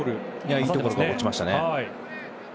いいところに落ちましたね。